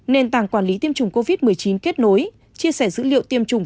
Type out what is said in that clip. nền tảng quản lý tiêm chủng covid một mươi chín kết nối chia sẻ dữ liệu tiêm chủng